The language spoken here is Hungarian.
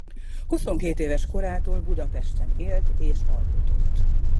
Huszonkét éves korától Budapesten élt és alkotott.